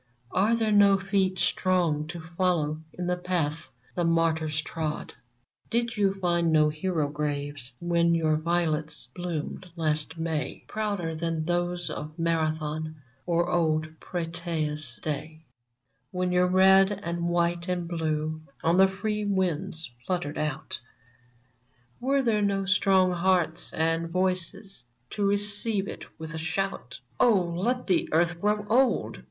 Are there no feet strong to follow In the paths the martyrs trod f " Did you find no hero graves When your violets blooiited last May — Proiider than those of Marathon , Or ' old Platea's day ' f When your red and white and blue On the free luinds fluttered out. Were there no strong hearts and voices To receive it with a shout ? Oh / let the Earth grow old